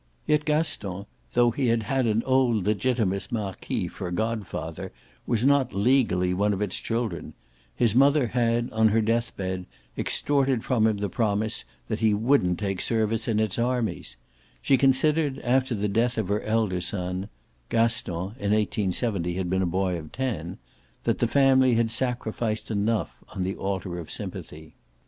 Yet Gaston, though he had had an old Legitimist marquis for godfather, was not legally one of its children; his mother had, on her death bed, extorted from him the promise that he wouldn't take service in its armies; she considered, after the death of her elder son Gaston, in 1870, had been a boy of ten that the family had sacrificed enough on the altar of sympathy.